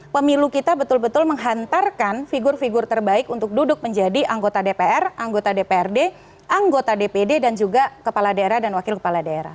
pemilu kita betul betul menghantarkan figur figur terbaik untuk duduk menjadi anggota dpr anggota dprd anggota dpd dan juga kepala daerah dan wakil kepala daerah